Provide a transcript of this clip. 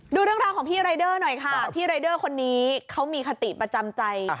ดูเรื่องราวของพี่รายเดอร์หน่อยค่ะพี่รายเดอร์คนนี้เขามีคติประจำใจ